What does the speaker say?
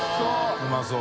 うまそう。